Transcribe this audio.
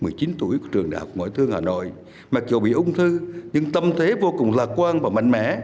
mười chín tuổi trường đh ngoại thương hà nội mặc dù bị ung thư nhưng tâm thế vô cùng lạc quan và mạnh mẽ